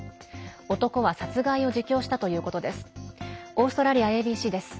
男は殺害を自供したということです。